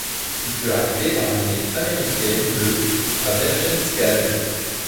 Il fut arrêté par l'armée américaine le à Berchtesgaden.